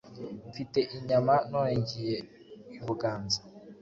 mfite inyama, none ngiye i buganza